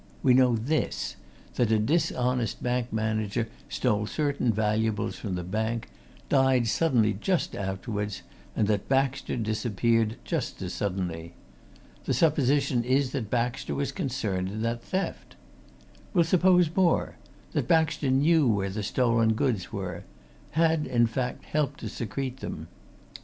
We know this that a dishonest bank manager stole certain valuables from the bank, died suddenly just afterwards, and that Baxter disappeared just as suddenly. The supposition is that Baxter was concerned in that theft. We'll suppose more that Baxter knew where the stolen goods were; had, in fact, helped to secrete them.